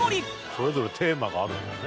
「それぞれテーマがあるんだね」